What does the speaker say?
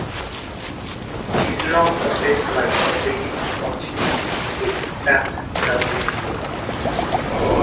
She's not a bit like a lady of fortunes, with that nudging look.